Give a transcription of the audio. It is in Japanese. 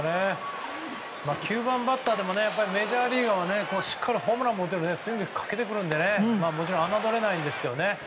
９番バッターでもメジャーリーグはしっかりホームランも打てる戦力をスイングをかけてくるので侮れないんですけどね。